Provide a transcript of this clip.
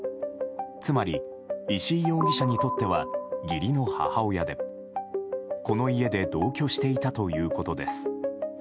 つまり、石井容疑者にとっては義理の母親でこの家で同居していたということです。